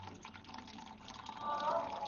څه ډول قوانین د ډیجیټل حاکمیت ساتنه کوي؟